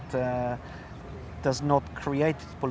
tidak menciptakan kebiasaan